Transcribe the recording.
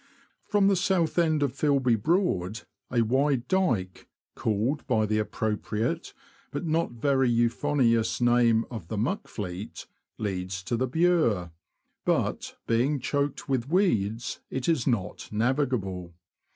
From the south end of Filby Broad a wide dyke, called by the appropriate, but not very euphonious, name of the Muck Fleet, leads to the Bure, but, being choked w^ith weeds, it is not navigable.